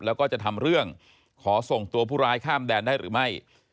แล้วก็จะทำเรื่องขอส่งตัวผู้ร้ายข้ามแดนได้หรือไม่